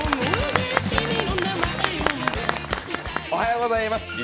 おはようございます。